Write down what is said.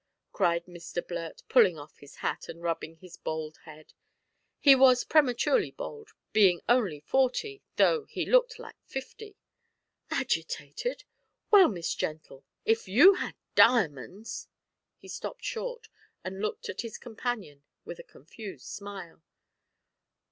cried Mr Blurt, pulling off his hat, and rubbing his bald head he was prematurely bald, being only forty, though he looked like fifty "agitated! Well, Miss Gentle, if you had diamonds " He stopped short, and looked at his companion with a confused smile.